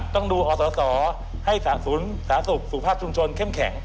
ต้องดูอสอให้ศูนย์สาธารณสุขสุขภาพชุมชนเข้มแข็ง